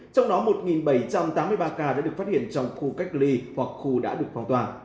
trong đó một bảy trăm tám mươi ba ca đã được phát hiện trong khu cách ly hoặc khu đã được phong tỏa